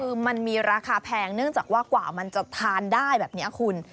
คือมันมีราคาแพงเนื่องจากว่ากว่ามันจะทานได้แบบนี้คุณ